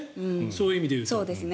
そういう意味で言うと。